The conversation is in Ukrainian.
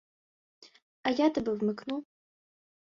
— А я тебе вмикну.